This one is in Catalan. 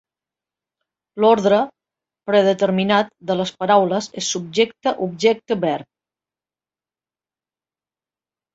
L'ordre predeterminat de les paraules és subjecte-objecte-verb.